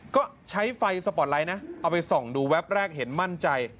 ก็ใช้ไฟสปอร์ตไลท์นะเอาไปส่องดูแป๊บแรกเห็นมั่นใจ